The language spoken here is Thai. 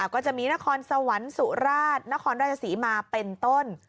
ก็จะมีนครสวรรค์สุราชนครราชศรีมาเป็นต้น